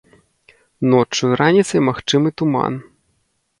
Ноччу і раніцай магчымы туман.